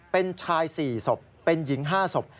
เป็นชาย๔ศพเป็นหญิง๕ศพ